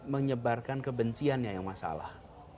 menyebarkan kebencian yang masalah